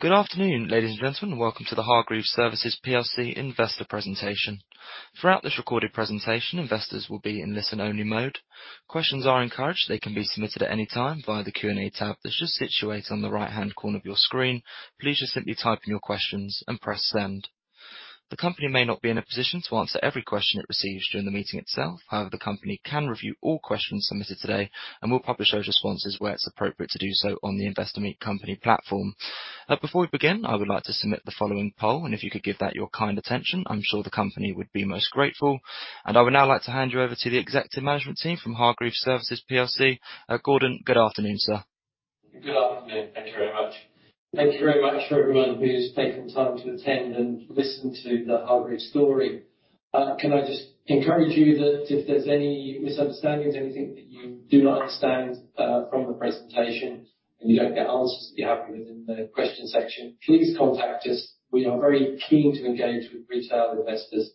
Good afternoon, ladies and gentlemen. Welcome to the Hargreaves Services plc investor presentation. Throughout this recorded presentation, investors will be in listen-only mode. Questions are encouraged. They can be submitted at any time via the Q&A tab that's just situated on the right-hand corner of your screen. Please just simply type in your questions and press Send. The company may not be in a position to answer every question it receives during the meeting itself. However, the company can review all questions submitted today and will publish those responses where it's appropriate to do so on the Investor Meet Company platform. Before we begin, I would like to submit the following poll, and if you could give that your kind attention, I'm sure the company would be most grateful. I would now like to hand you over to the executive management team from Hargreaves Services plc. Gordon, good afternoon, sir. Good afternoon. Thank you very much. Thank you very much for everyone who's taken time to attend and listen to the Hargreaves story. Can I just encourage you that if there's any misunderstandings, anything that you do not understand from the presentation, and you don't get answers that you're happy with in the question section, please contact us. We are very keen to engage with retail investors,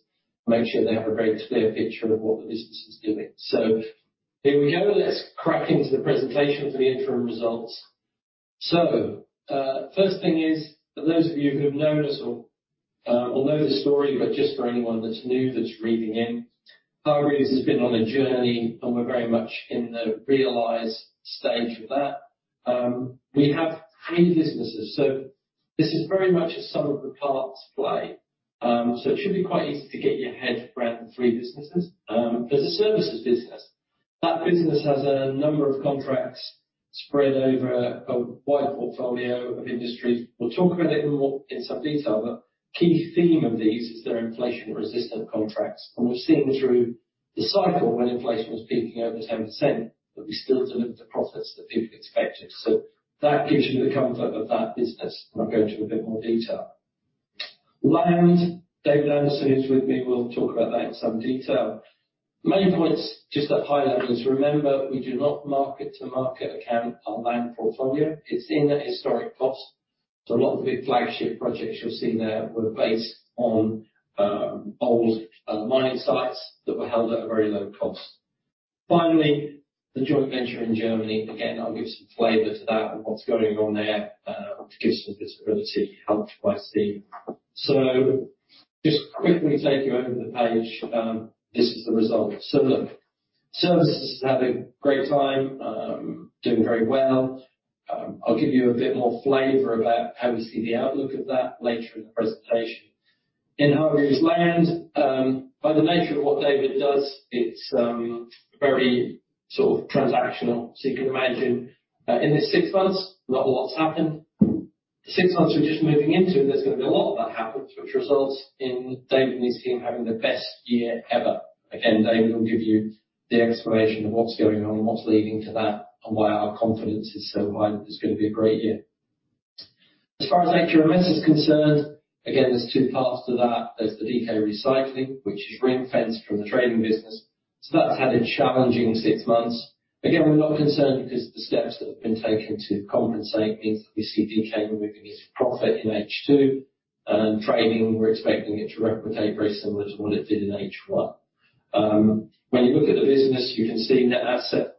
make sure they have a very clear picture of what the business is doing. So here we go. Let's crack into the presentation for the interim results. So, first thing is, for those of you who have known us or know the story, but just for anyone that's new, that's reading in, Hargreaves has been on a journey, and we're very much in the realize stage of that. We have three businesses, so this is very much a sum of the parts play. So it should be quite easy to get your head around the three businesses. There's a services business. That business has a number of contracts spread over a wide portfolio of industries. We'll talk about it in more, in some detail, but key theme of these is they're inflation-resistant contracts, and we've seen through the cycle when inflation was peaking over 10%, but we still delivered the profits that people expected. So that gives you the comfort of that business. I'm going to go into a bit more detail. Land, David Anderson, who's with me, will talk about that in some detail. Main points, just at high level, is remember, we do not mark-to-market account our land portfolio. It's in the historic cost. So a lot of the big flagship projects you'll see there were based on old mining sites that were held at a very low cost. Finally, the joint venture in Germany. Again, I'll give some flavor to that and what's going on there to give some visibility, helped by Steve. So just quickly take you over the page. This is the result. So look, services is having a great time doing very well. I'll give you a bit more flavor about how we see the outlook of that later in the presentation. In Hargreaves Land, by the nature of what David does, it's very sort of transactional. So you can imagine in this six months, not a lot's happened. Six months, we're just moving into, there's gonna be a lot that happens, which results in David and his team having the best year ever. Again, David will give you the explanation of what's going on, and what's leading to that, and why our confidence is so high that it's gonna be a great year. As far as HRMS is concerned, again, there's two parts to that. There's the DK Recycling, which is ring-fenced from the trading business, so that's had a challenging six months. Again, we're not concerned because the steps that have been taken to compensate means we see DK removing its profit in H2. Trading, we're expecting it to replicate very similar to what it did in H1. When you look at the business, you can see net asset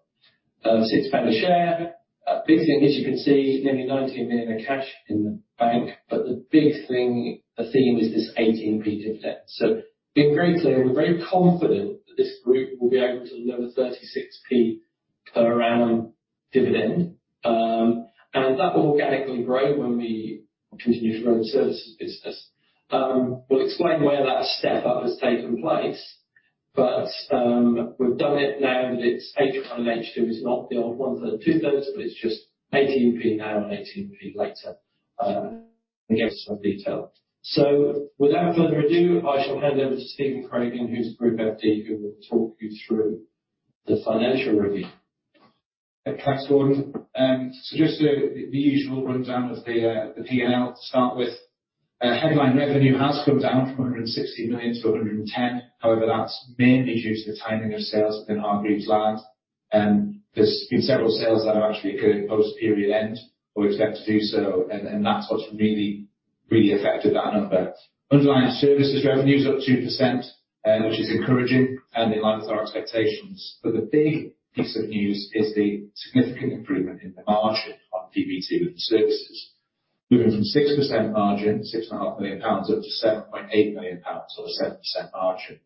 of 6 pound a share. A big thing, as you can see, nearly 19 million in cash in the bank, but the big thing, the theme is this 18p of debt. So being very clear, we're very confident that this group will be able to deliver 36p per annum dividend, and that will organically grow when we continue to grow the services business. We'll explain where that step-up has taken place, but, we've done it now that it's H1 and H2, it's not the old one-third, two-thirds, but it's just 18p now and 18p later, against some detail. So without further ado, I shall hand over to Stephen Craigen, who's Group FD, who will talk you through the financial review. Thanks, Gordon. So just the usual rundown of the PNL to start with. Headline revenue has come down from 160 million to 110 million. However, that's mainly due to the timing of sales within Hargreaves Land. There's been several sales that have actually occurred post-period end, or we expect to do so, and that's what's really affected that number. Underlying services revenue is up 2%, which is encouraging and in line with our expectations. But the big piece of news is the significant improvement in the margin on PBT with the services. Moving from 6% margin, 6.5 million pounds, up to 7.8 million pounds or 7% margin.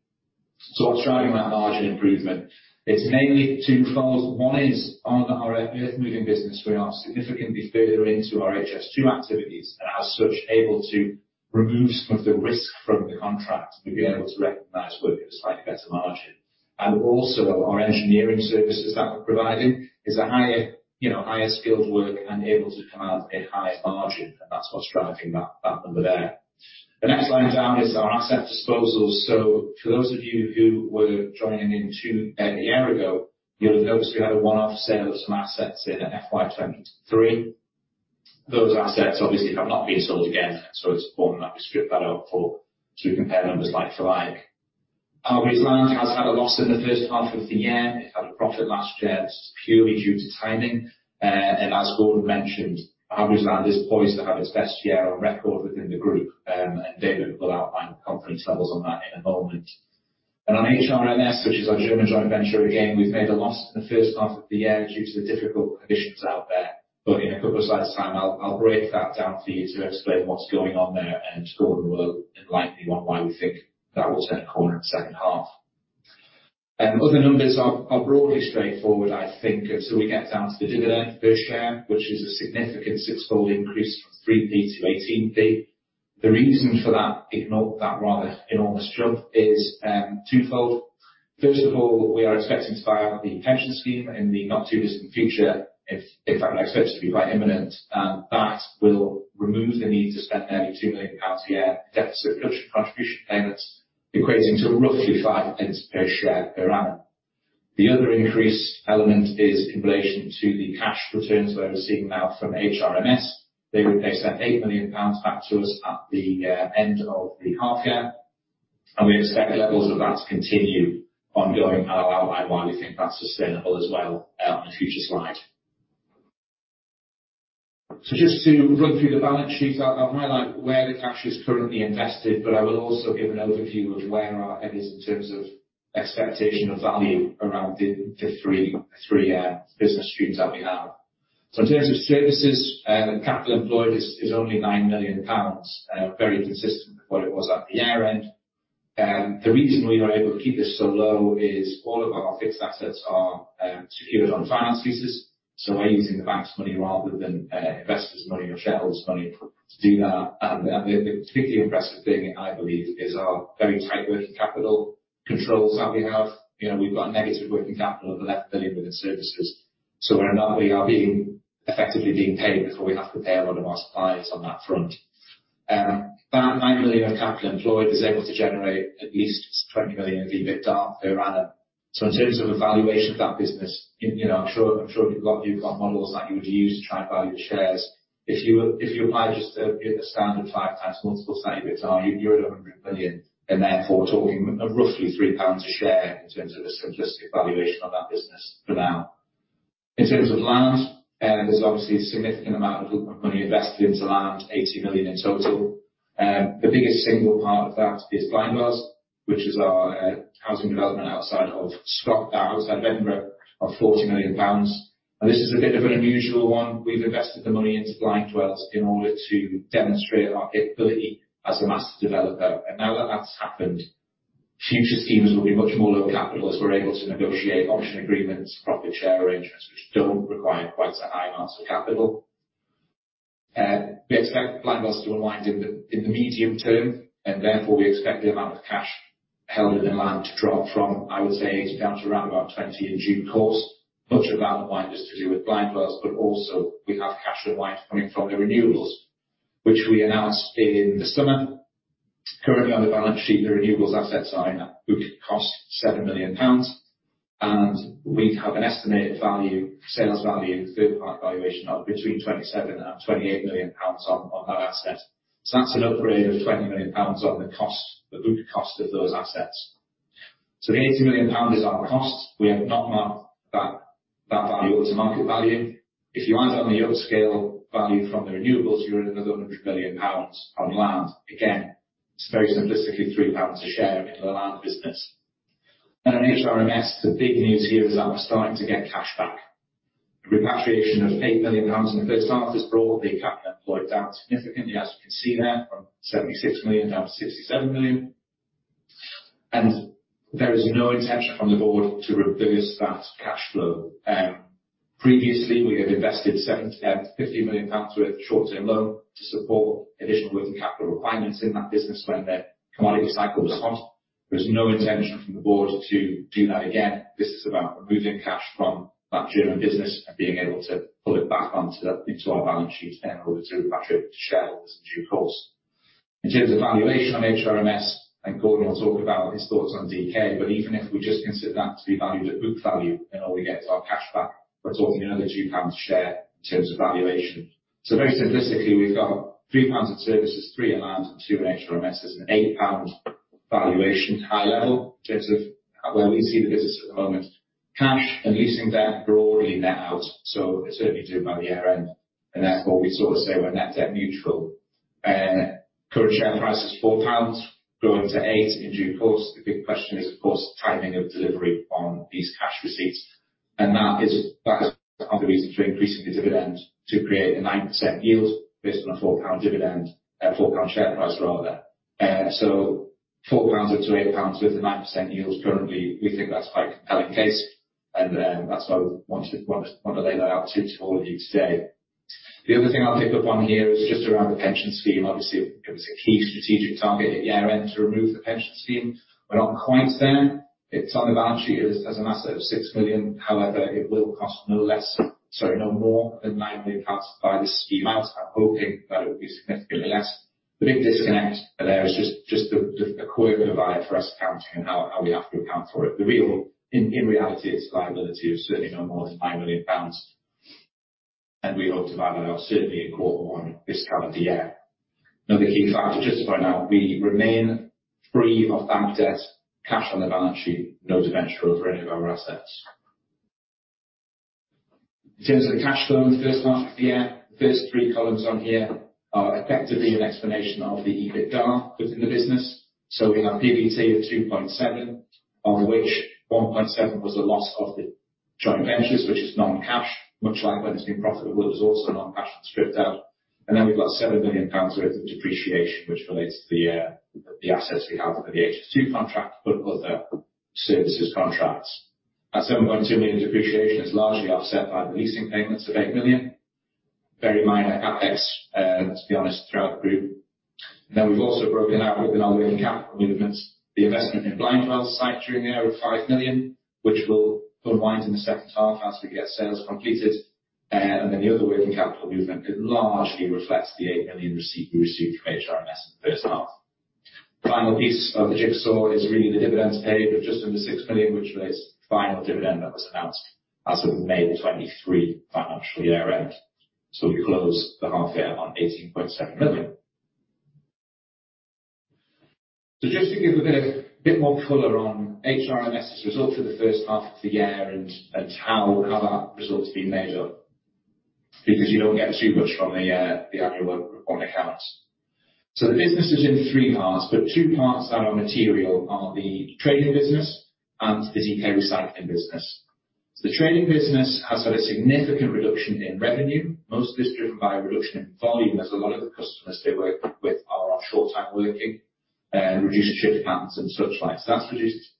So what's driving that margin improvement? It's mainly two folds. One is on our earth moving business, we are significantly further into our HS2 activities, and as such, able to remove some of the risk from the contract. We've been able to recognize work at a slightly better margin. And also, our engineering services that we're providing is a higher, you know, higher skilled work and able to command a higher margin, and that's what's driving that, that number there. The next line down is our asset disposals. So for those of you who were joining in two years ago, you'll have noticed we had a one-off sale of some assets in FY 2023. Those assets obviously have not been sold again, so it's important that we strip that out, so we compare numbers like for like. Hargreaves Land has had a loss in the first half of the year. It had a profit last year. This is purely due to timing, and as Gordon mentioned, Hargreaves Land is poised to have its best year on record within the group. David will outline the confidence levels on that in a moment. On HRMS, which is our German joint venture, again, we've made a loss in the first half of the year due to the difficult conditions out there. But in a couple of slides time, I'll break that down for you to explain what's going on there, and Gordon will enlighten you on why we think that will turn a corner in the second half. Other numbers are broadly straightforward, I think, until we get down to the dividend per share, which is a significant sixfold increase from 0.03 to 0.18. The reason for that, ignore that rather enormous jump, is twofold. First of all, we are expecting to buy out the pension scheme in the not-too-distant future, if, in fact, I expect it to be quite imminent, and that will remove the need to spend nearly 2 million pounds a year deficit contribution payments, equating to roughly 0.05 per share per annum. The other increase element is in relation to the cash returns that we're seeing now from HRMS. They sent 8 million pounds back to us at the end of the half year, and we expect levels of that to continue ongoing, and I'll outline why we think that's sustainable as well, on a future slide. So just to run through the balance sheet, I, I'll highlight where the cash is currently invested, but I will also give an overview of where our head is in terms of expectation of value around the three business streams that we have. So in terms of services, the capital employed is only 9 million pounds, very consistent with what it was at the year-end. The reason we are able to keep this so low is all of our fixed assets are secured on finance leases. So we're using the bank's money rather than investors' money or shareholders' money to do that. And the particularly impressive thing, I believe, is our very tight working capital controls that we have. You know, we've got a negative working capital of less than 1 million within services. So we are being effectively paid before we have to pay a lot of our suppliers on that front. That 9 million of capital employed is able to generate at least 20 million of EBITDA per annum. So in terms of valuation of that business, you know, I'm sure you've got models that you would use to try and value the shares. If you apply just the standard 5x multiple to EBITDA, you're at 100 million, and therefore, we're talking roughly 3 pounds a share in terms of a simplistic valuation of that business for now. In terms of land, there's obviously a significant amount of money invested into land, 80 million in total. The biggest single part of that is Blindwells, which is our housing development in Scotland, outside Edinburgh, of 40 million pounds. This is a bit of an unusual one. We've invested the money into Blindwells in order to demonstrate our ability as a master developer. Now that that's happened, future schemes will be much more low capital, as we're able to negotiate option agreements, profit share arrangements, which don't require quite so high amounts of capital. We expect Blindwells to unwind in the medium term, and therefore, we expect the amount of cash held in the land to drop from, I would say, 80 million pounds down to around about 20 million in due course. Much of that unwind is to do with Blindwells, but also we have cash unwind coming from the renewables, which we announced in the summer. Currently, on the balance sheet, the renewables assets are in at book cost, 7 million pounds, and we have an estimated value, sales value, third-party valuation of between 27 million and 28 million pounds on, on that asset. So that's an upgrade of 20 million pounds on the cost, the book cost of those assets. So the 80 million pounds is our cost. We have not marked that, that value to market value. If you add on the upscale value from the renewables, you're at another 100 million pounds on land. Again, it's very simplistically 3 pounds a share in the land business. Then on HRMS, the big news here is that we're starting to get cash back. The repatriation of 8 million pounds in the first half has brought the capital employed down significantly, as you can see there, from 76 million down to 67 million. There is no intention from the board to reverse that cash flow. Previously, we had invested 75 million pounds worth of short-term loan to support additional working capital requirements in that business when the commodity cycle was hot. There's no intention from the board to do that again. This is about removing cash from that German business and being able to pull it back into our balance sheet in order to repatriate to shareholders in due course. In terms of valuation on HRMS, and Gordon will talk about his thoughts on DK, but even if we just consider that to be valued at book value, and all we get is our cash back, we're talking another 2 pounds a share in terms of valuation. So very simplistically, we've got 3 pounds in services, 3 in land, and 2 in HRMS. There's a 8 pound valuation, high level, in terms of where we see the business at the moment. Cash and leasing debt broadly net out, so they certainly do by the year-end, and therefore, we sort of say we're net debt neutral. Current share price is 4 pounds, growing to 8 in due course. The big question is, of course, timing of delivery on these cash receipts, and that is, that is one of the reasons for increasing the dividend to create a 9% yield based on a 4 pound dividend, four-pound share price rather. So 4 pounds up to 8 pounds with a 9% yield. Currently, we think that's quite a compelling case, and that's why we want to, want to, want to lay that out to all of you today. The other thing I'll pick up on here is just around the pension scheme. Obviously, it was a key strategic target at year-end to remove the pension scheme. We're not quite there. It's on the balance sheet as an asset of 6 million. However, it will cost no less, sorry, no more than 9 million pounds to buy the scheme out. I'm hoping that it will be significantly less. The big disconnect there is just the awkward provision for our accounting and how we have to account for it. The real... In reality, its liability is certainly no more than 9 million pounds, and we hope to buy that off certainly in quarter one this calendar year. Another key fact, just to point out, we remain free of bank debt, cash on the balance sheet, no debenture over any of our assets. In terms of the cash flow in the first half of the year, the first three columns on here are effectively an explanation of the EBITDA within the business. So we have PBT of 2.7, on which 1.7 was a loss of the joint ventures, which is non-cash, much like when it's been profitable, it was also non-cash and stripped out. And then we've got 7 million pounds worth of depreciation, which relates to the assets we have under the HS2 contract, but other services contracts. At 7.2 million, depreciation is largely offset by the leasing payments of 8 million. Very minor CapEx, let's be honest, throughout the group. And then we've also broken out within our working capital movements, the investment in Blindwells site during the year of 5 million, which will unwind in the second half as we get sales completed. And then the other working capital movement, it largely reflects the 8 million receipt we received from HRMS in the first half. Final piece of the jigsaw is really the dividends paid of just under 6 million, which relates to the final dividend that was announced as of May 2023 financial year end. So we closed the half year on 18.7 million. So just to give a bit more color on HRMS's results for the first half of the year and how that result's been made up, because you don't get too much from the annual report and accounts. So the business is in three parts, but two parts that are material are the trading business and the DK Recycling business. So the trading business has had a significant reduction in revenue, mostly driven by a reduction in volume, as a lot of the customers they work with are on short-time working, reduced shift patterns and such like. So that's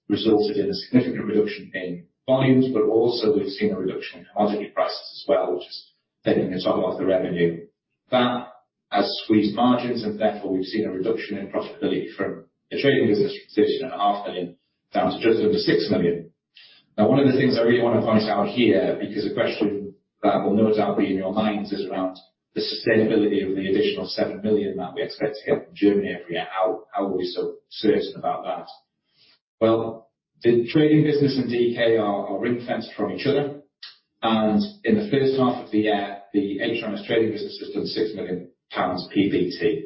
resulted in a significant reduction in volumes, but also we've seen a reduction in commodity prices as well, which is taking a toll off the revenue. That has squeezed margins, and therefore, we've seen a reduction in profitability from the trading business from 16.5 million, down to just under 6 million. Now, one of the things I really want to point out here, because a question that will no doubt be in your minds, is around the sustainability of the additional 7 million that we expect to get from Germany every year. How, how are we so certain about that? Well, the trading business and DK are ring-fenced from each other, and in the first half of the year, the HRMS trading business has done 6 million pounds PBT.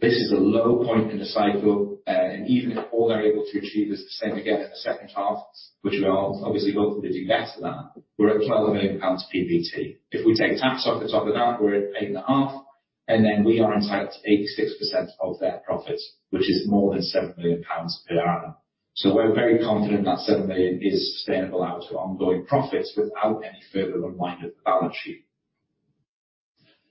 This is a low point in the cycle, and even if all they're able to achieve is the same again in the second half, which we are obviously hopeful they do better than that, we're at 12 million pounds PBT. If we take tax off the top of that, we're at 8.5 million, and then we are entitled to 86% of their profits, which is more than 7 million pounds per annum. So we're very confident that 7 million is sustainable out to ongoing profits without any further unwind of the balance sheet.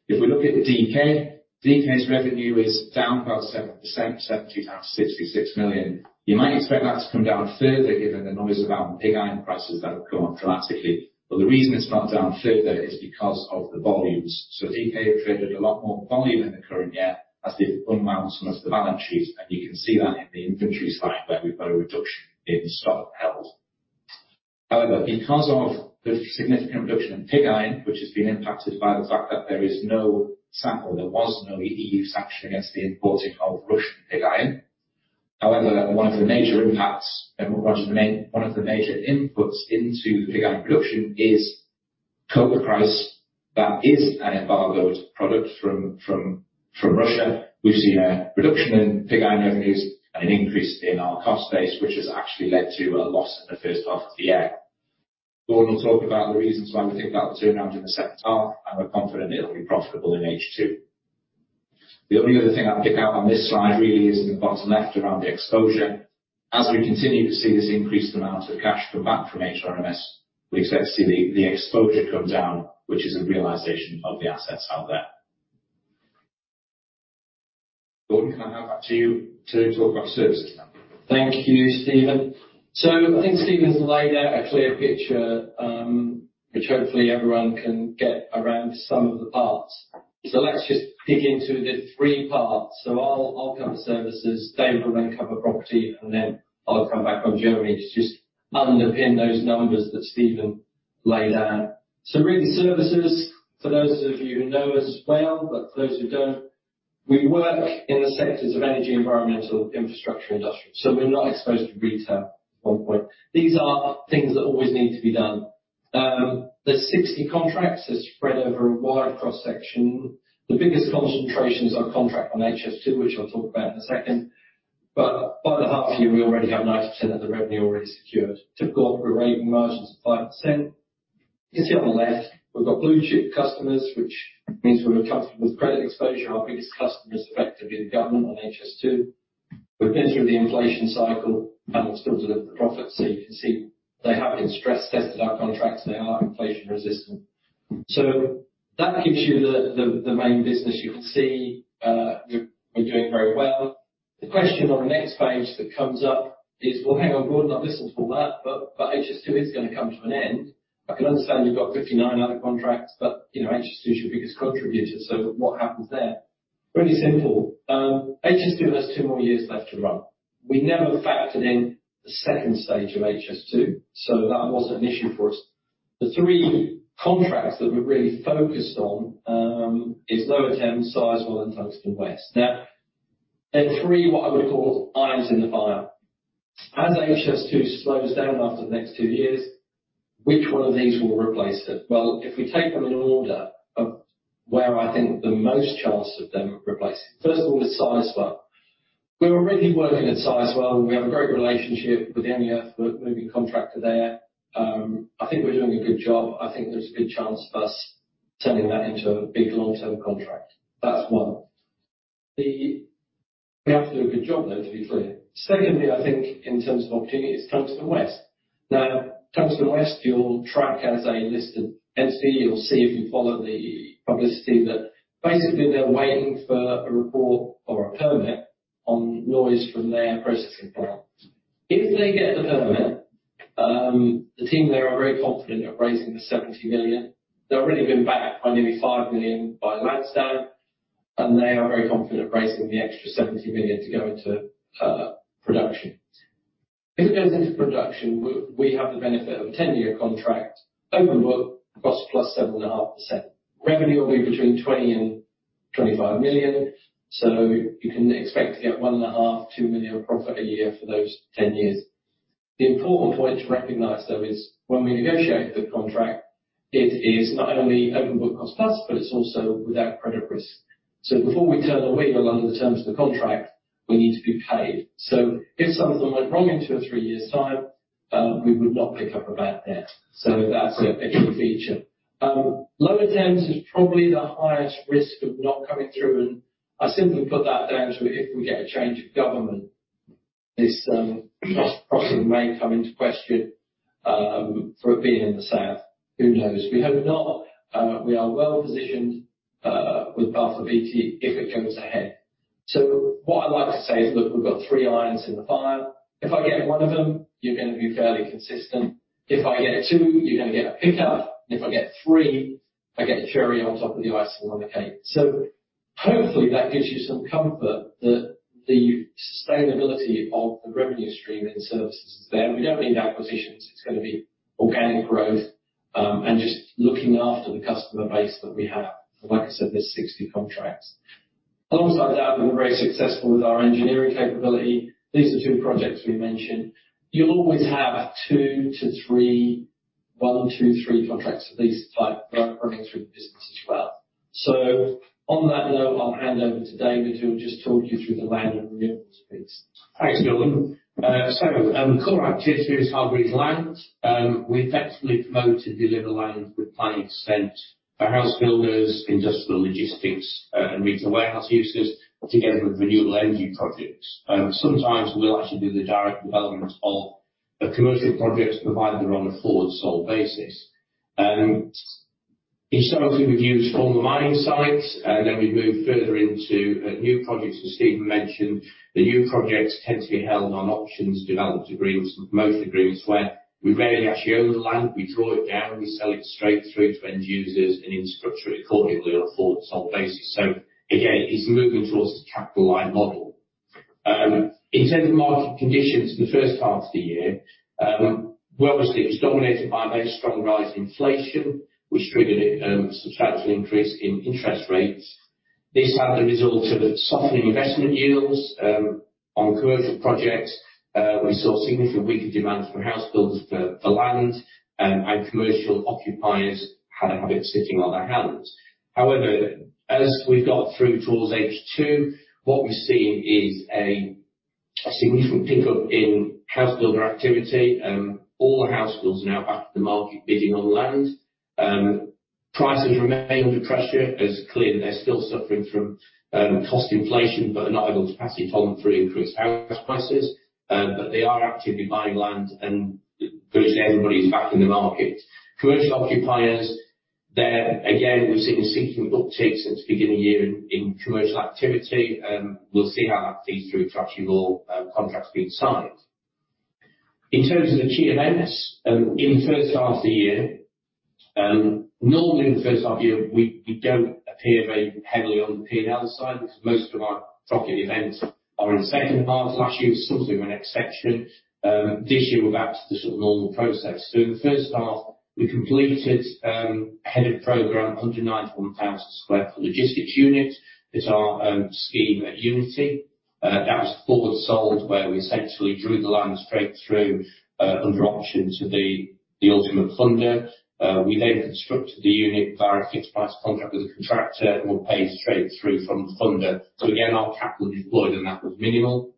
If we look at the DK, DK's revenue is down about 7%, 70 to 66 million GBP. You might expect that to come down further, given the noise about pig iron prices that have gone up dramatically. But the reason it's not down further is because of the volumes. So DK have traded a lot more volume in the current year as they've unwound some of the balance sheet, and you can see that in the inventory slide, where we've got a reduction in stock held. However, because of the significant reduction in pig iron, which has been impacted by the fact that there is no sanction, or there was no EU sanction against the importing of Russian pig iron. However, one of the major impacts and one of the major inputs into pig iron production is coke price. That is an embargoed product from Russia. We've seen a reduction in pig iron revenues and an increase in our cost base, which has actually led to a loss in the first half of the year. Gordon will talk about the reasons why we think that will turn around in the second half, and we're confident it'll be profitable in H2. The only other thing I'd pick out on this slide, really, is in the bottom left, around the exposure. As we continue to see this increased amount of cash come back from HRMS, we expect to see the exposure come down, which is a realization of the assets out there. Gordon, can I hand back to you to talk about services? Thank you, Stephen. So I think Stephen's laid out a clear picture, which hopefully everyone can get around some of the parts. So let's just dig into the three parts. So I'll, I'll cover services, Dave will then cover property, and then I'll come back on Germany to just underpin those numbers that Stephen laid out. So really, services, for those of you who know us well, but for those who don't, we work in the sectors of energy, environmental, infrastructure, and industrial, so we're not exposed to retail, one point. These are things that always need to be done. There's 60 contracts that spread over a wide cross-section. The biggest concentration is on contract on HS2, which I'll talk about in a second, but by the half year, we already have 90% of the revenue already secured. Typical operating margins of 5%. You can see on the left, we've got blue chip customers, which means we are comfortable with credit exposure. Our biggest customer is effectively the government on HS2. We've been through the inflation cycle and still delivered the profits, so you can see they have been stress-tested, our contracts, they are inflation-resistant. So that gives you the main business. You can see, we're, we're doing very well. The question on the next page that comes up is: Well, hang on, Gordon, I listened to all that, but, but HS2 is going to come to an end. I can understand you've got 59 other contracts, but, you know, HS2 is your biggest contributor, so what happens there? Really simple. HS2 has two more years left to run. We never factored in the second stage of HS2, so that wasn't an issue for us. The three contracts that we're really focused on is Lower Thames, Sizewell, and Tungsten West. Now, they're three, what I would call, irons in the fire. As HS2 slows down after the next two years, which one of these will replace it? Well, if we take them in order where I think the most chance of them replacing. First of all, is Sizewell. We're already working at Sizewell, and we have a great relationship with any earthmoving contractor there. I think we're doing a good job. I think there's a good chance of us turning that into a big long-term contract. That's one. We have to do a good job, though, to be clear. Secondly, I think in terms of opportunity, it's Tungsten West. Now, Tungsten West, you'll track as a listed entity, you'll see if you follow the publicity, that basically they're waiting for a report or a permit on noise from their processing plant. If they get the permit, the team there are very confident of raising 70 million. They've already been backed by nearly 5 million by LANXESS, and they are very confident of raising the extra 70 million to go into production. If it goes into production, we, we have the benefit of a 10-year contract, open book, cost plus 7.5%. Revenue will be between 20-25 million, so you can expect to get 1.5-2 million of profit a year for those 10 years. The important point to recognize, though, is when we negotiate the contract, it is not only open book cost plus, but it's also without credit risk. So before we turn the wheel on the terms of the contract, we need to be paid. So if something went wrong in two or three years' time, we would not pick up a bad debt. So that's a key feature. Lower Thames is probably the highest risk of not coming through, and I simply put that down to if we get a change of government, this crossing may come into question, for it being in the South. Who knows? We hope not. We are well positioned, with Balfour Beatty if it goes ahead. So what I'd like to say is, look, we've got three irons in the fire. If I get one of them, you're going to be fairly consistent. If I get two, you're going to get a pickup. If I get three, I get a cherry on top of the icing on the cake. So hopefully, that gives you some comfort that the sustainability of the revenue stream in services is there. We don't need acquisitions. It's going to be organic growth, and just looking after the customer base that we have. Like I said, there's 60 contracts. Alongside that, we've been very successful with our engineering capability. These are two projects we mentioned. You'll always have 2-3—one, two, three contracts of these type running through the business as well. So on that note, I'll hand over to David, who will just talk you through the land and renewables piece. Thanks, Gordon. So, the core activity is Hargreaves Land. We effectively promote and deliver land with planning consent for house builders, industrial logistics, and retail warehouse users together with renewable energy projects. Sometimes we'll actually do the direct development of a commercial project, provided they're on a forward sale basis. Initially, we've used former mining sites, and then we've moved further into new projects, as Stephen mentioned. The new projects tend to be held on options, development agreements, most agreements, where we rarely actually own the land. We draw it down, we sell it straight through to end users and infrastructure accordingly on a forward sale basis. So again, it's moving towards the capital light model. In terms of market conditions in the first half of the year, well, obviously, it was dominated by a very strong rise in inflation, which triggered a substantial increase in interest rates. This had the result of a softening investment yields on commercial projects. We saw significant weaker demand from house builders for land, and commercial occupiers had to have it sitting on their hands. However, as we've got through towards H2, what we've seen is a significant pickup in house builder activity. All the housebuilders are now back in the market, bidding on land. Prices remain under pressure. It's clear that they're still suffering from cost inflation, but are not able to pass it on through increased house prices. But they are actively buying land, and virtually everybody's back in the market. Commercial occupiers, there, again, we've seen a significant uptick since the beginning of the year in commercial activity, and we'll see how that feeds through to actual, contracts being signed. In terms of the key events, in the first half of the year, normally in the first half of the year, we, we don't appear very heavily on the P&L side, because most of our profit events are in the second half. Last year was something of an exception. This year we're back to the sort of normal process. So in the first half, we completed, ahead of program, a 191,000 sq ft logistics unit. It's our, scheme at Unity. That was forward sold, where we essentially drew the line straight through, under option to the, the ultimate funder. We then constructed the unit via a fixed price contract with the contractor, and were paid straight through from the funder. So again, our capital deployed, and that was minimal.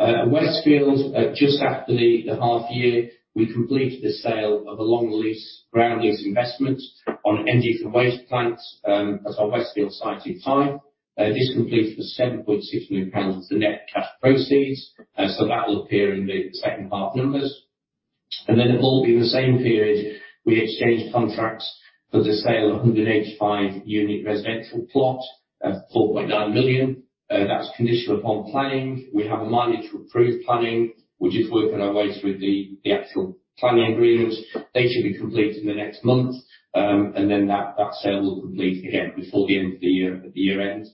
At Westfield, just after the half year, we completed the sale of a long lease, ground lease investment on energy waste plant. That's our Westfield site in Fife. This completed for 7.6 million pounds, the net cash proceeds, so that will appear in the second half numbers. And then evolving the same period, we exchanged contracts for the sale of a 185-unit residential plot, of 4.9 million. That's conditional upon planning. We have a mandate to approve planning. We're just working our way through the actual planning agreements. They should be completed in the next month, and then that, that sale will complete again before the end of the year, at the year end.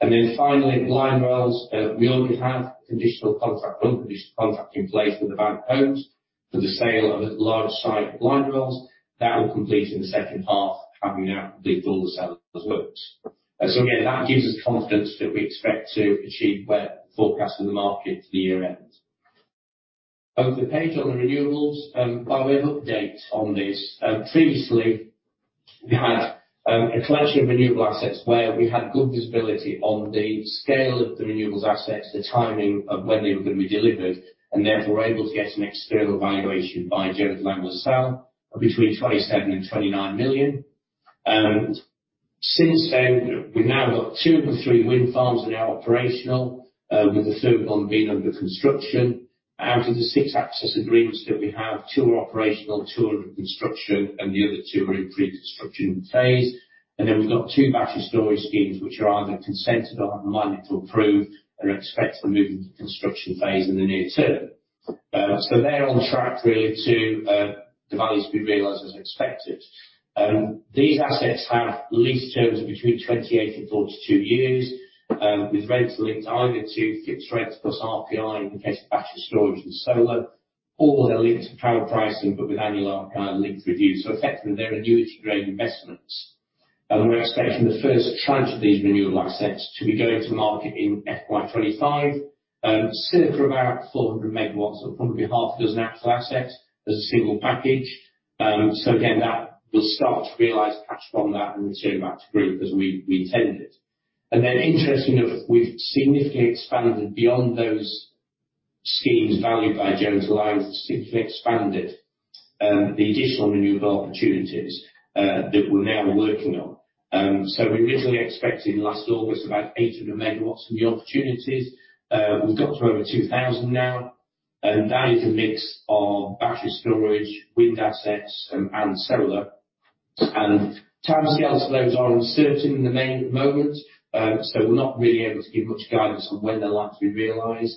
Then finally, Blindwells, we already have conditional contract, unconditional contract in place with Avant Homes for the sale of a large site at Blindwells. That will complete in the second half, having now completed all the seller's works. So again, that gives us confidence that we expect to achieve where forecasted the market for the year end. On the page on the renewables, well, we have an update on this. Previously, we had a collection of renewable assets where we had good visibility on the scale of the renewables assets, the timing of when they were going to be delivered, and therefore were able to get an external valuation by Jones Lang LaSalle of between 27 million and 29 million. Since then, we've now got two of the three wind farms are now operational, with the third one being under construction. Out of the six access agreements that we have, two are operational, two are under construction, and the other two are in pre-construction phase. And then we've got two battery storage schemes, which are either consented or at the moment to approve, and expect to move into construction phase in the near term. So they're on track really to the values to be realized as expected. These assets have lease terms of between 28 and 42 years, with rents linked either to fixed rates plus RPI, in the case of battery storage and solar, or they're linked to power pricing, but with annual, linked reviews. So effectively, they're annuity grade investments, and we're expecting the first tranche of these renewable assets to be going to market in FY 2025, circa about 400 MW. So probably six actual assets as a single package. So again, that will start to realize cash from that and return them back to group as we, we intended. And then, interestingly, we've significantly expanded beyond those schemes valued by Jones Lang, significantly expanded, the additional renewable opportunities, that we're now working on. So we originally expected last August, about 800 MW from the opportunities. We've got to over 2,000 now, and that is a mix of battery storage, wind assets, and solar. Time scales for those are uncertain in the main at the moment, so we're not really able to give much guidance on when they're likely to be realized.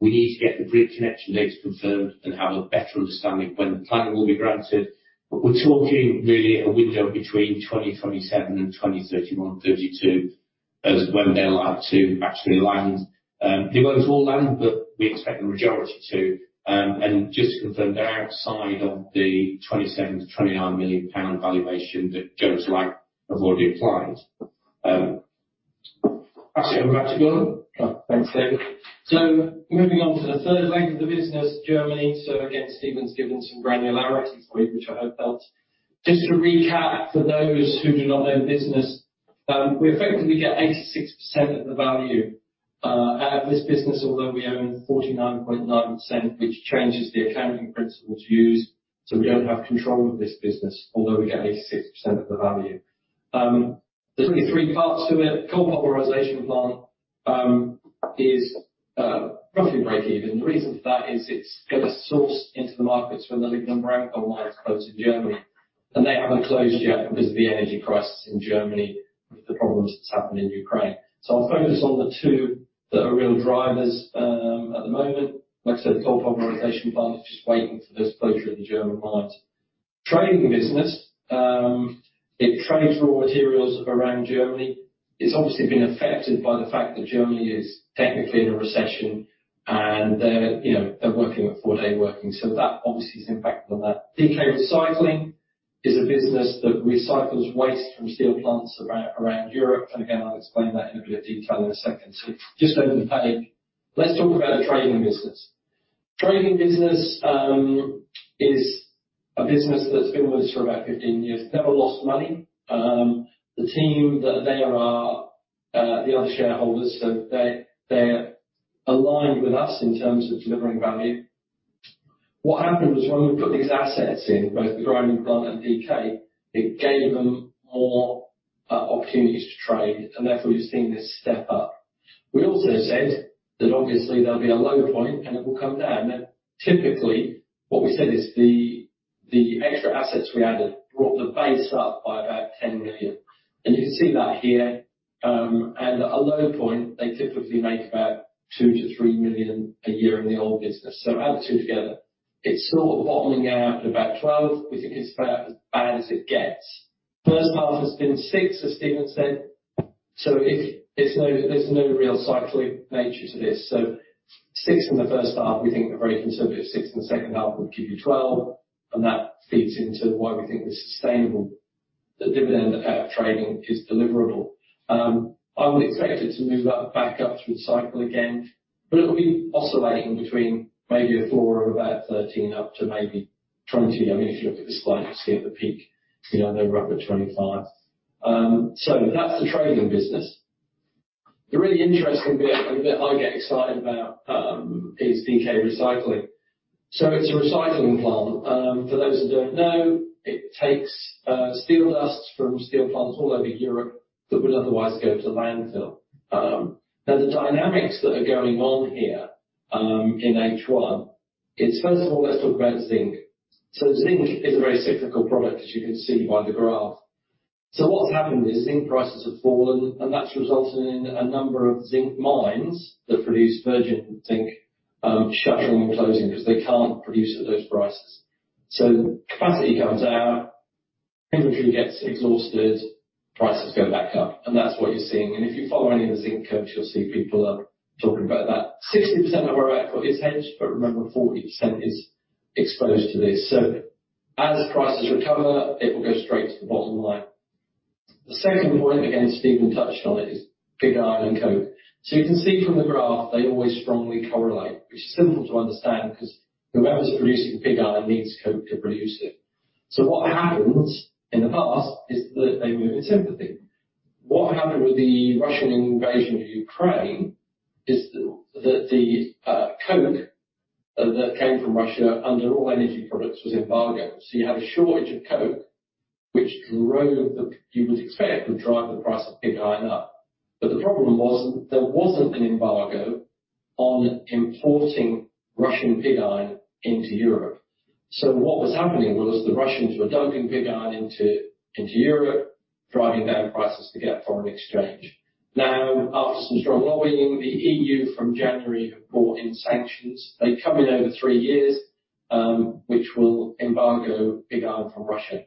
We need to get the grid connection dates confirmed and have a better understanding of when the planning will be granted. But we're talking really a window between 2027 and 2031-2032 as when they're allowed to actually land. It won't all land, but we expect the majority to, and just confirm they're outside of the 27-29 million pound valuation that Jones Lang have already applied. Back to you, Gordon. Thanks, Stephen. Moving on to the third leg of the business, Germany. Again, Stephen's given some granularity for you, which I hope helps. Just to recap, for those who do not know the business, we effectively get 86% of the value out of this business, although we own 49.9%, which changes the accounting principle to use. We don't have control of this business, although we get 86% of the value. There's only three parts to it. Coal pulverization plant is roughly breakeven. The reason for that is it's going to source into the markets when the lignite mines close in Germany, and they haven't closed yet because of the energy crisis in Germany with the problems that's happened in Ukraine. I'll focus on the two that are real drivers at the moment. Like I said, the coal pulverization plant, just waiting for this closure of the German mines. Trading business, it trades raw materials around Germany. It's obviously been affected by the fact that Germany is technically in a recession, and they're, you know, they're working with four-day working. So that obviously has impacted on that. DK Recycling is a business that recycles waste from steel plants around Europe. And again, I'll explain that in a bit of detail in a second. So just over the page, let's talk about the trading business. Trading business is a business that's been with us for about 15 years, never lost money. The team that they are, the other shareholders, so they, they're aligned with us in terms of delivering value. What happened was, when we put these assets in, both the grinding plant and DK, it gave them more opportunities to trade, and therefore, we've seen this step up. We also said that obviously there'll be a low point, and it will come down. Typically, what we said is the extra assets we added brought the base up by about 10 million, and you can see that here. At a low point, they typically make about 2 million-3 million a year in the old business. So add the two together, it's sort of bottoming out at about 12 million. We think it's about as bad as it gets. First half has been 6 million, as Stephen said, so it's no, there's no real cyclic nature to this. Six in the first half, we think a very conservative six in the second half would give you 12, and that feeds into why we think the sustainable, the dividend effect of trading is deliverable. I would expect it to move that back up through the cycle again, but it'll be oscillating between maybe a floor of about 13, up to maybe 20. I mean, if you look at the slide, you'll see at the peak, you know, they were up at 25. So that's the trading business. The really interesting bit, and the bit I get excited about, is DK Recycling. So it's a recycling plant. For those who don't know, it takes steel dust from steel plants all over Europe that would otherwise go to landfill. Now, the dynamics that are going on here, in H1, it's first of all, let's talk about zinc. So zinc is a very cyclical product, as you can see by the graph. So what's happened is, zinc prices have fallen, and that's resulted in a number of zinc mines that produce virgin zinc, shutting and closing because they can't produce at those prices. So capacity goes down, inventory gets exhausted, prices go back up, and that's what you're seeing. And if you follow any of the zinc quotes, you'll see people are talking about that. 60% of our output is hedged, but remember, 40% is exposed to this. So as prices recover, it will go straight to the bottom line. The second point, again, Stephen touched on it, is pig iron and coke. So you can see from the graph, they always strongly correlate, which is simple to understand, because whoever's producing pig iron needs coke to produce it. So what happens in the past is that they move in sympathy. What happened with the Russian invasion of Ukraine is that the coke that came from Russia under all energy products was embargoed. So you had a shortage of coke, which drove the—you would expect, would drive the price of pig iron up. But the problem was, there wasn't an embargo on importing Russian pig iron into Europe. So what was happening was the Russians were dumping pig iron into Europe, driving down prices to get foreign exchange. Now, after some strong lobbying, the EU from January have brought in sanctions. They come in over three years, which will embargo pig iron from Russia.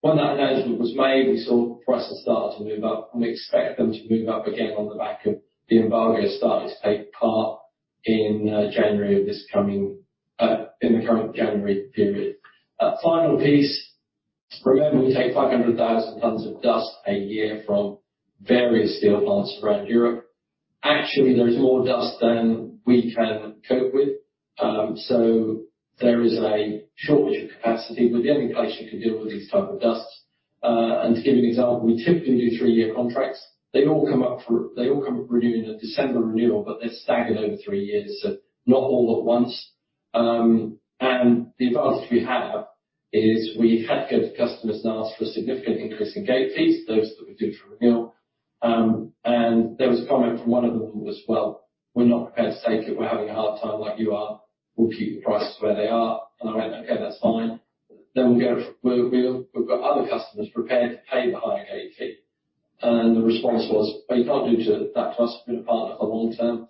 When that announcement was made, we saw prices start to move up, and we expect them to move up again on the back of the embargo starting to take part in January of this coming, in the current January period. A final piece, remember, we take 500,000 tons of dust a year from various steel plants around Europe. Actually, there is more dust than we can cope with, so there is a shortage of capacity. We're the only place you can deal with these type of dusts. And to give you an example, we typically do three-year contracts. They all come renewing in the December renewal, but they're staggered over three years, so not all at once. And the advantage we have is we've had to go to customers and ask for a significant increase in gate fees, those that we do for renewal. And there was a comment from one of them who was, "Well, we're not prepared to take it. We're having a hard time like you are. We'll keep the prices where they are." And I went, "Okay, that's fine. Then we'll go. We've got other customers prepared to pay the higher gate fee." And the response was, "But you can't do that to us. We've been a partner for the long term,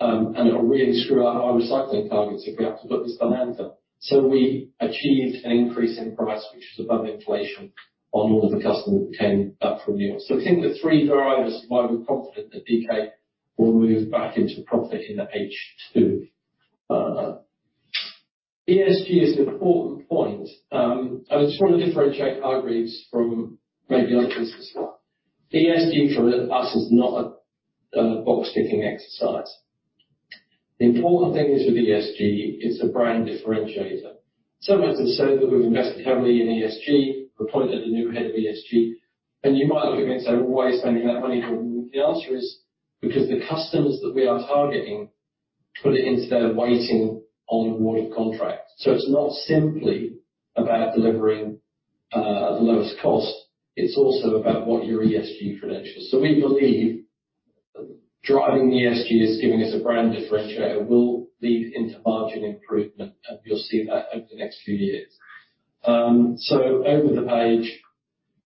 and it'll really screw up our recycling targets if we have to put this to landfill." So we achieved an increase in price, which is above inflation, on all of the customers who came up for renewal. So I think the three drivers, why we're confident that DK will move back into profit in the H2. ESG is an important point. I just want to differentiate Hargreaves from maybe other businesses. ESG for us is not a, a box-ticking exercise. The important thing is, with ESG, it's a brand differentiator. So much is said that we've invested heavily in ESG. We appointed a new head of ESG, and you might look at me and say, "Well, why are you spending that money?" The answer is: because the customers that we are targeting put it into their weighting on awarding contracts. So it's not simply about delivering at the lowest cost, it's also about what your ESG credentials. So we believe driving ESG is giving us a brand differentiator will lead into margin improvement, and you'll see that over the next few years. So over the page,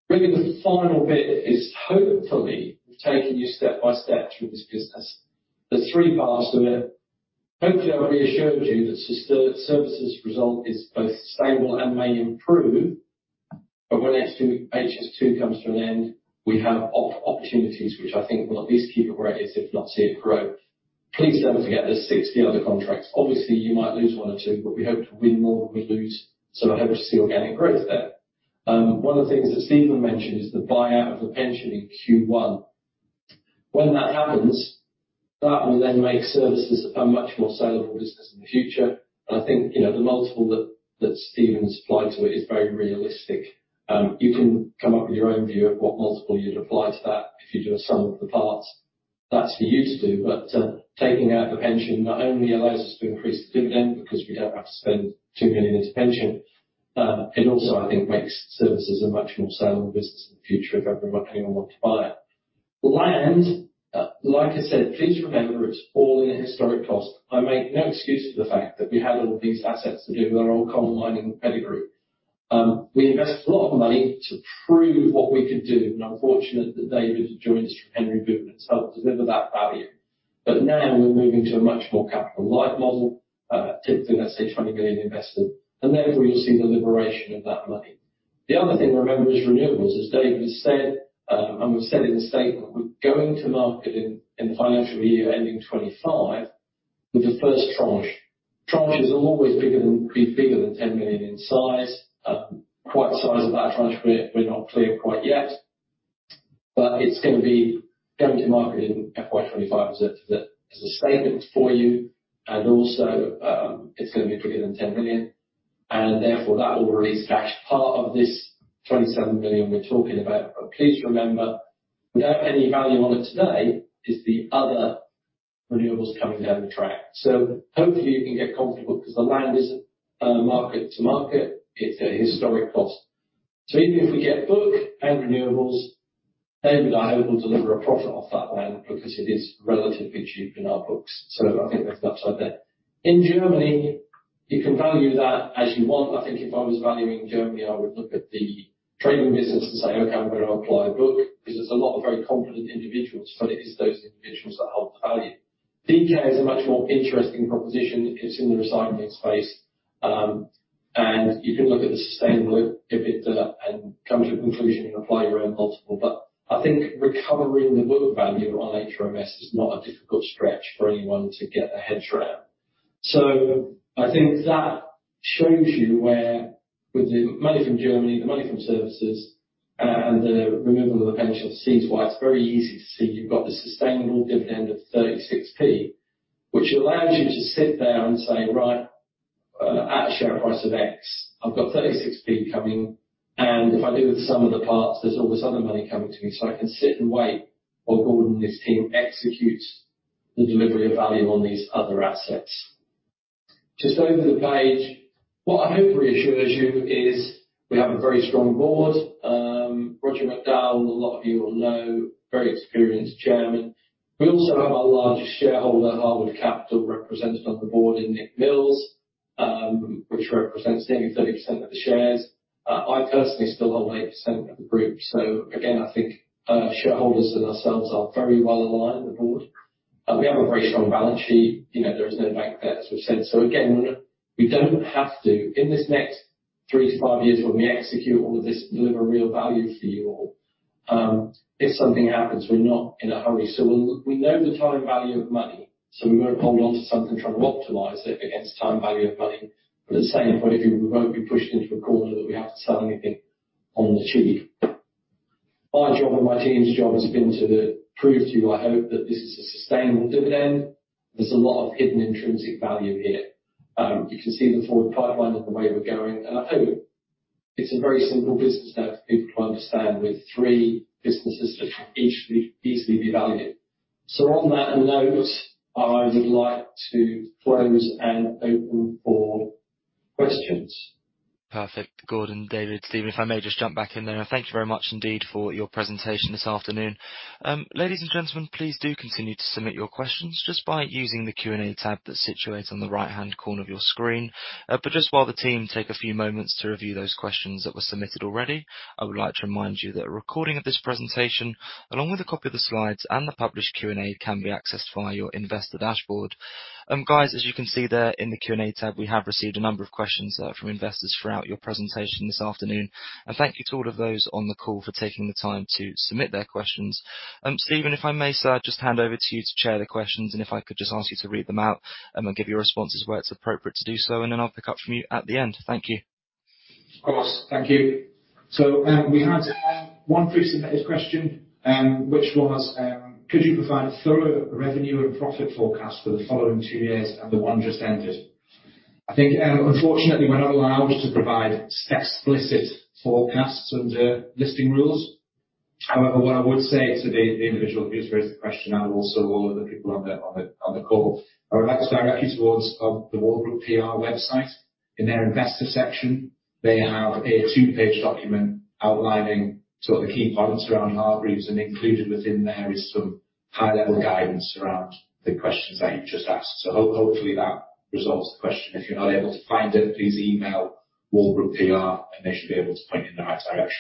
really the final bit is hopefully, we've taken you step by step through this business. There's three parts to it. Hopefully, I've reassured you that Services result is both stable and may improve, but when HS2 comes to an end, we have opportunities which I think will at least keep it where it is, if not see it grow. Please don't forget there's 60 other contracts. Obviously, you might lose one or two, but we hope to win more than we lose, so I hope to see organic growth there. One of the things that Stephen mentioned is the buyout of the pension in Q1. When that happens, that will then make services a much more saleable business in the future. And I think, you know, the multiple that, that Stephen's applied to it is very realistic. You can come up with your own view of what multiple you'd apply to that if you do a sum of the parts. That's for you to do, but, taking out the pension not only allows us to increase the dividend because we don't have to spend 2 million into pension, it also, I think, makes services a much more saleable business in the future if ever anyone wants to buy it. Land, like I said, please remember, it's all in a historic cost. I make no excuse for the fact that we have all these assets to do that are all coal mining pedigree. We invested a lot of money to prove what we could do, and I'm fortunate that David joined us from Henry Boot and has helped deliver that value. But now we're moving to a much more capital light model, typically, let's say 20 million invested, and therefore, you'll see the liberation of that money. The other thing to remember is renewables. As David said, and we've said in the statement, we're going to market in the financial year ending 2025 with the first tranche. Tranches are always bigger than 10 million in size. Quite the size of that tranche, we're not clear quite yet, but it's gonna be going to market in FY 2025. That is a statement for you, and also, it's gonna be bigger than 10 million, and therefore, that will release cash. Part of this 27 million we're talking about, but please remember, without any value on it today, is the other renewables coming down the track. So hopefully you can get comfortable because the land isn't mark to market, it's a historic cost. So even if we get book and renewables, then I hope we'll deliver a profit off that land because it is relatively cheap in our books, so I think that's outside that. In Germany, you can value that as you want. I think if I was valuing Germany, I would look at the trading business and say, "Okay, I'm going to apply a book," because there's a lot of very competent individuals, but it is those individuals that hold the value. DK is a much more interesting proposition. It's in the recycling space, and you can look at the sustainable EBITDA and come to a conclusion and apply your own multiple. But I think recovering the book value on HRMS is not a difficult stretch for anyone to get their heads around. So I think that shows you where, with the money from Germany, the money from services, and the removal of the potential seeds, why it's very easy to see you've got the sustainable dividend of 0.36, which allows you to sit there and say, "Right, at a share price of X, I've got 0.36 coming, and if I do the sum of the parts, there's all this other money coming to me, so I can sit and wait while Gordon and his team executes the delivery of value on these other assets." Just over the page, what I hope reassures you is we have a very strong board. Roger McDowell, a lot of you will know, very experienced Chairman. We also have our largest shareholder, Harwood Capital, represented on the board in Nick Mills, which represents nearly 30% of the shares. I personally still own 8% of the group, so again, I think, shareholders and ourselves are very well aligned with the board. We have a very strong balance sheet. You know, there is no bank debt, as we've said. So again, we don't have to. In this next 3-5 years, when we execute all of this, deliver real value for you all, if something happens, we're not in a hurry. So we, we know the time value of money, so we won't hold on to something, trying to optimize it against time value of money. But at the same point of view, we won't be pushed into a corner that we have to sell anything on the cheap. My job and my team's job has been to prove to you, I hope, that this is a sustainable dividend. There's a lot of hidden intrinsic value here. You can see the forward pipeline and the way we're going, and I think it's a very simple business now for people to understand, with three businesses that each can easily be valued. So on that note, I would like to close and open for questions. Perfect. Gordon, David, Stephen, if I may just jump back in there. Thank you very much indeed for your presentation this afternoon. Ladies and gentlemen, please do continue to submit your questions just by using the Q&A tab that's situated on the right-hand corner of your screen. But just while the team take a few moments to review those questions that were submitted already, I would like to remind you that a recording of this presentation, along with a copy of the slides and the published Q&A, can be accessed via your investor dashboard. Guys, as you can see there in the Q&A tab, we have received a number of questions, from investors throughout your presentation this afternoon. Thank you to all of those on the call for taking the time to submit their questions. Stephen, if I may, sir, just hand over to you to chair the questions, and if I could just ask you to read them out, and then give your responses where it's appropriate to do so, and then I'll pick up from you at the end. Thank you. Of course. Thank you. So, we had one pre-submitted question, which was: Could you provide a thorough revenue and profit forecast for the following two years and the one just ended? I think, unfortunately, we're not allowed to provide explicit forecasts under listing rules. However, what I would say to the individual who's raised the question and also all of the people on the call, I would like to direct you towards the Walbrook PR website. In their investor section, they have a two-page document outlining sort of the key points around Hargreaves, and included within there is some high-level guidance around the questions that you've just asked. So hopefully, that resolves the question. If you're not able to find it, please email Walbrook PR, and they should be able to point you in the right direction.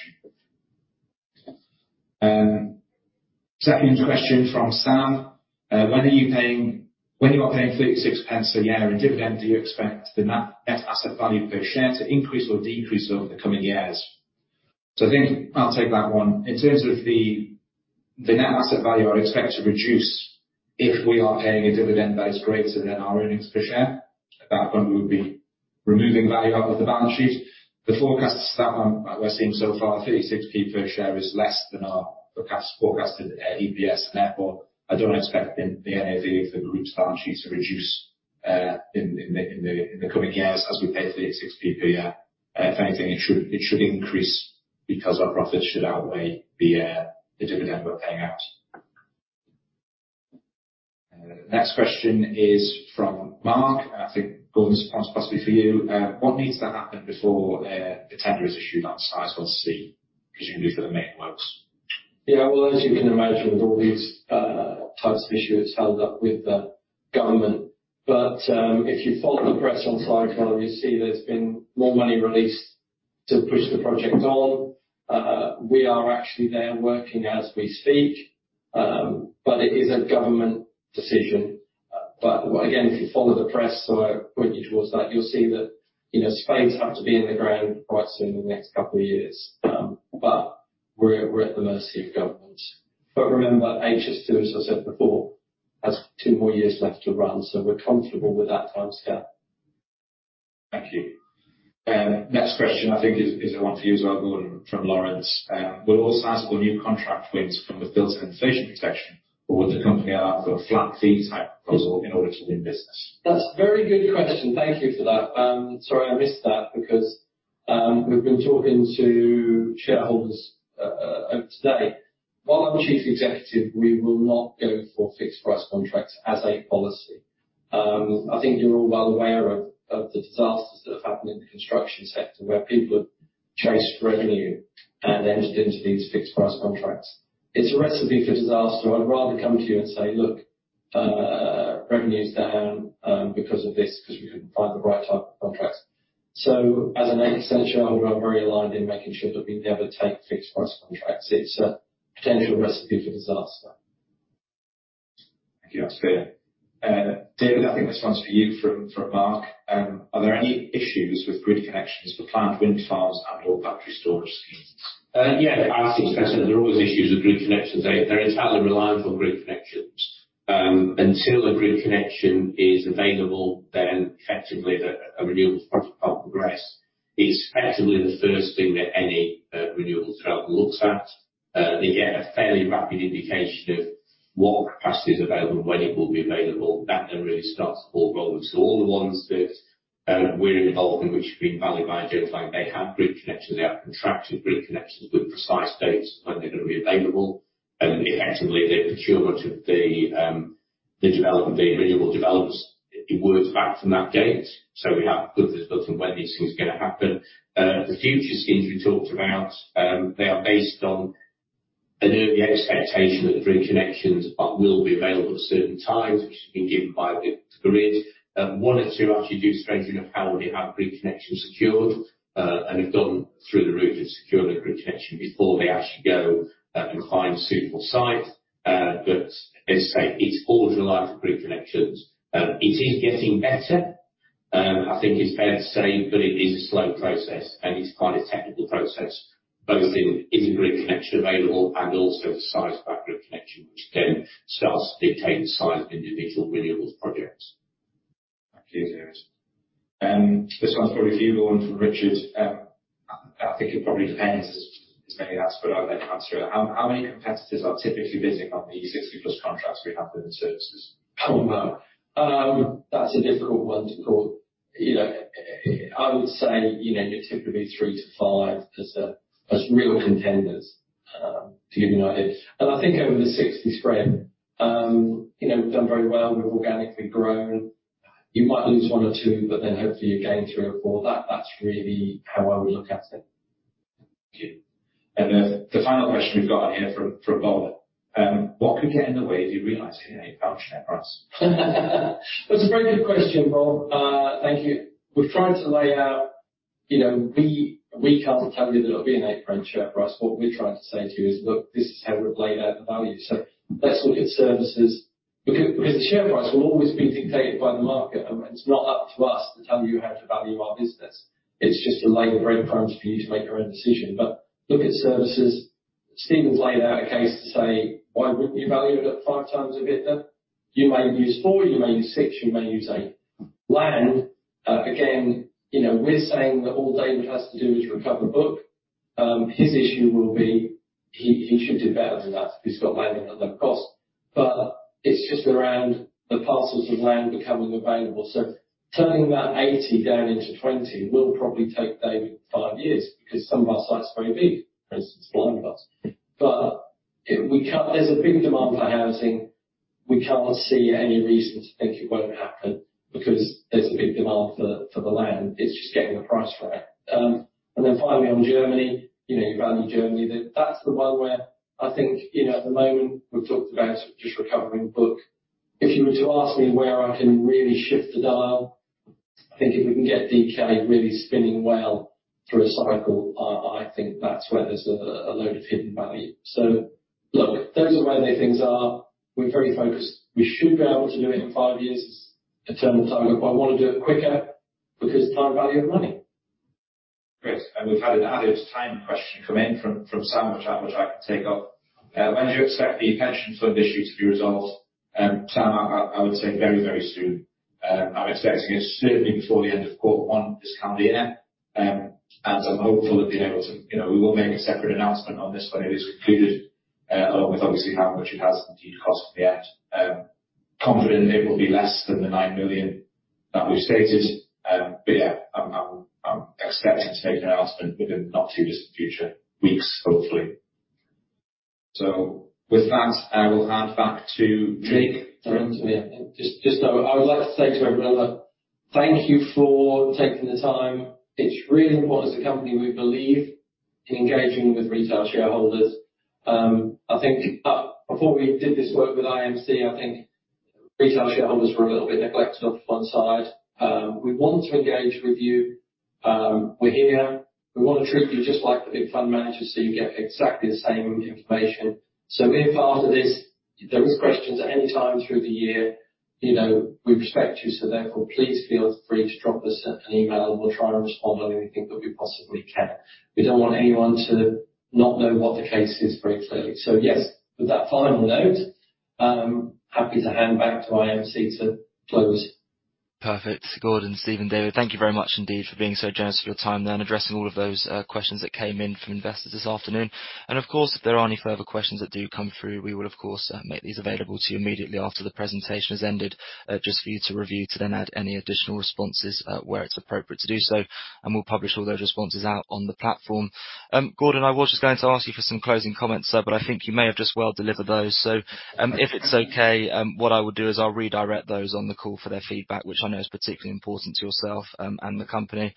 Second question from Sam: When you are paying 0.36 a year in dividend, do you expect the net asset value per share to increase or decrease over the coming years? I think I'll take that one. In terms of the net asset value, I would expect to reduce if we are paying a dividend that is greater than our earnings per share. At that point, we would be removing value out of the balance sheet. The forecasts that we're seeing so far, 0.36 per share, is less than our forecasted EPS. Therefore, I don't expect the NAV of the group's balance sheet to reduce in the coming years as we pay GBP 0.36 per year. If anything, it should, it should increase because our profits should outweigh the dividend we're paying out. Next question is from Mark. I think, Gordon, this one's possibly for you. What needs to happen before the tender is issued on Sizewell C, presumably for the main works? Yeah, well, as you can imagine, with all these types of issues, it's held up with the government. But if you follow the press on Sizewell C, you see there's been more money released to push the project on. We are actually there working as we speak, but it is a government decision. But again, if you follow the press, so I point you towards that, you'll see that, you know, spades have to be in the ground quite soon, in the next couple of years. But we're, we're at the mercy of government. But remember, HS2, as I said before, has two more years left to run, so we're comfortable with that timescale. Thank you. Next question, I think is the one for you as well, Gordon, from Lawrence. Will all sizable new contract wins come with built-in inflation protection, or would the company opt for a flat fee-type proposal in order to win business? That's a very good question. Thank you for that. Sorry I missed that because, we've been talking to shareholders, today. While I'm Chief Executive, we will not go for fixed price contracts as a policy. I think you're all well aware of, of the disasters that have happened in the construction sector, where people have chased revenue and entered into these fixed price contracts. It's a recipe for disaster. I'd rather come to you and say, "Look, revenue's down, because of this, because we couldn't find the right type of contracts." So as a shareholder, I'm very aligned in making sure that we never take fixed price contracts. It's a potential recipe for disaster. Thank you. That's clear. David, I think this one's for you, from Mark. Are there any issues with grid connections for planned wind farms and or battery storage schemes? Yeah, there are always issues with grid connections. They're entirely reliant on grid connections. Until the grid connection is available, then effectively, a renewables project can't progress. It's effectively the first thing that any renewables developer looks at. They get a fairly rapid indication of what capacity is available and when it will be available. That then really starts the ball rolling. So all the ones that we're involved in, which have been valued by agents, like, they have grid connections, they have contracted grid connections with precise dates when they're going to be available, and effectively, the procurement of the development, the renewable developments, it works back from that date. So we have good visibility on when these things are gonna happen. The future schemes we talked about, they are based on an early expectation that the grid connections will be available at certain times, which has been given by the grid. One or two actually do strangely enough, already have grid connections secured, and have gone through the route of securing the grid connection before they actually go, and find a suitable site. But as I say, it's all reliant on grid connections. It is getting better. I think it's fair to say, but it is a slow process, and it's quite a technical process, both in, is a grid connection available, and also the size of that grid connection, which then starts to dictate the size of individual renewables projects. Thank you, David. This one's for you, Gordon, from Richard. I think it probably depends, is maybe that's what I'd like answered. How many competitors are typically bidding on the 60+ contracts we have in the services? Oh, wow! That's a difficult one to call. You know, I would say, you know, you're typically 3-5 as real contenders to give you an idea. And I think over the 60 spread, you know, we've done very well. We've organically grown. You might lose one or two, but then hopefully you gain three or four. That's really how I would look at it. Thank you. And then the final question we've got on here from Bob. What could get in the way of you realizing a GBP 8 share price? That's a very good question, Bob. Uh, thank you. We've tried to lay out, you know, we can't tell you that it'll be a GBP 8 share price. What we're trying to say to you is, "Look, this is how we've laid out the value." So let's look at services, because the share price will always be dictated by the market, and it's not up to us to tell you how to value our business. It's just to lay the breadcrumbs for you to make your own decision. But look at services. Stephen's laid out a case to say, why wouldn't you value it at 5x EBITDA? You may use four, you may use six, you may use eight. Land, again, you know, we're saying that all David has to do is recover book. His issue will be he, he should do better than that if he's got land at low cost, but it's just around the parcels of land becoming available. So turning that 80 down into 20 will probably take David five years, because some of our sites are very big, for instance, Blindwells. But we can't... There's a big demand for housing. We can't see any reason to think it won't happen, because there's a big demand for, for the land. It's just getting the price for it. And then finally, on Germany, you know, you value Germany. That's the one where I think, you know, at the moment, we've talked about just recovering book. If you were to ask me where I can really shift the dial, I think if we can get DK really spinning well through a cycle, I think that's where there's a load of hidden value. So look, those are where the things are. We're very focused. We should be able to do it in five years as a term of target, but I want to do it quicker, because time value of money. Great. And we've had an added time question come in from Sam, which I can take up. When do you expect the pension fund issue to be resolved? Sam, I would say very, very soon. I'm expecting it certainly before the end of quarter one this calendar year. And I'm hopeful of being able to... You know, we will make a separate announcement on this when it is concluded, along with obviously how much it has indeed cost in the end. Confident it will be less than the 9 million that we've stated. But yeah, I'm expecting to make an announcement within not too distant future, weeks, hopefully. So with that, I will hand back to Jake. Jake, yeah. Just, just so I would like to say to everyone, thank you for taking the time. It's really important as a company, we believe in engaging with retail shareholders. I think, before we did this work with IMC, I think retail shareholders were a little bit neglected on one side. We want to engage with you. We're here. We want to treat you just like the big fund managers, so you get exactly the same information. So if after this, there is questions at any time through the year, you know, we respect you, so therefore, please feel free to drop us an email, and we'll try and respond on anything that we possibly can. We don't want anyone to not know what the case is very clearly. So yes, with that final note, I'm happy to hand back to our MC to close. Perfect. Gordon, Stephen, David, thank you very much indeed for being so generous with your time and addressing all of those questions that came in from investors this afternoon. And of course, if there are any further questions that do come through, we will, of course, make these available to you immediately after the presentation has ended, just for you to review, to then add any additional responses where it's appropriate to do so, and we'll publish all those responses out on the platform. Gordon, I was just going to ask you for some closing comments, sir, but I think you may have just well delivered those. So, if it's okay, what I will do is I'll redirect those on the call for their feedback, which I know is particularly important to yourself, and the company.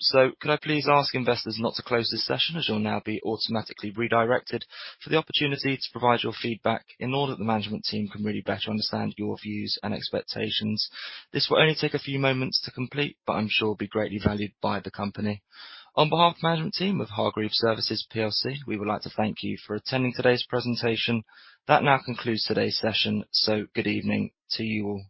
So can I please ask investors not to close this session as you'll now be automatically redirected for the opportunity to provide your feedback in order that the management team can really better understand your views and expectations. This will only take a few moments to complete, but I'm sure will be greatly valued by the company. On behalf of the management team of Hargreaves Services plc, we would like to thank you for attending today's presentation. That now concludes today's session, so good evening to you all.